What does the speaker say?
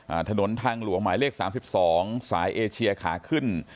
ถนนทางหลวงหมายเลขสามสิบสองสายเอเชียขาขึ้น